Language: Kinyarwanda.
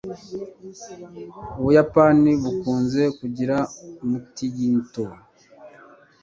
ubuyapani bukunze kugira umutingito